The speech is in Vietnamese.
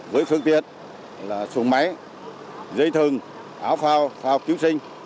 với phương tiện là xuồng máy dây thừng áo phao phao cứu sinh